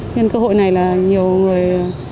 nên cơ hội này là nhiều người